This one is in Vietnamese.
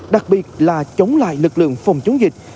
đặc biệt là chống lại lực lượng phòng chống dịch